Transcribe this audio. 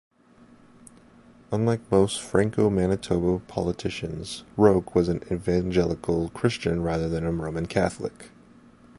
Unlike most Franco-Manitoba politicians, Roch was an evangelical Christian rather than a Roman Catholic.